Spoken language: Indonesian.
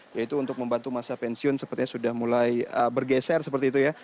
yaitu untuk membantu masa pensiun sepertinya sudah mulai bergeser seperti itu ya